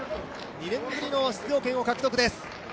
２年ぶりの出場権を獲得です。